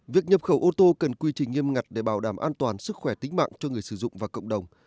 việc nhập khẩu ô tô cần quy trình nghiêm ngặt để bảo đảm an toàn sức khỏe tính mạng cho người sử dụng và cộng đồng